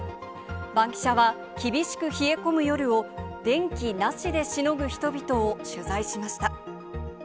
バンキシャは、厳しく冷え込む夜を電気なしでしのぐ人々を取材しました。